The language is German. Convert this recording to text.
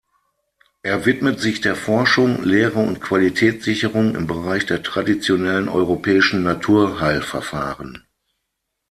Er widmet sich der Forschung, Lehre und Qualitätssicherung im Bereich der traditionellen europäischen Naturheilverfahren.